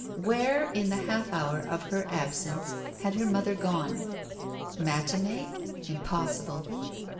Where in the half hour of her absence had her mother gone? Matin6e? Impossible!